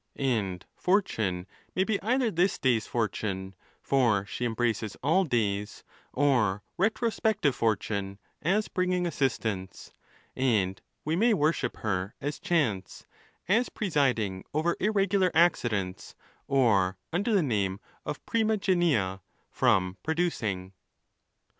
And Fortune may be either this day's fortune, for she embraces all days, or retro spective fortune, as bringing assistance; and we may worship her as Chance, as presiding over irregular accidents, or under the name of primé genia, from producing.